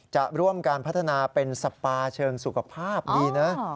จะร่วมการพัฒนาเป็นสปาเชิงสุขภาพดีนะ